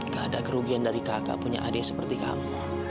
gak ada kerugian dari kakak punya adik seperti kamu